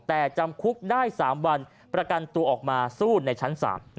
แต่จำคุกได้๓วันประกันตัวออกมาสู้ในชั้นศาล